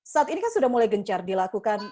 saat ini kan sudah mulai gencar dilakukan